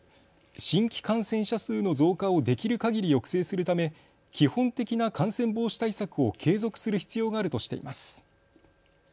新規感染者数の増加をできるかぎり抑制するため基本的な感染防止対策を継続する必要があるとしています。